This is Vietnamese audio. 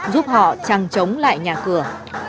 giúp họ chằn chống lại nhà cửa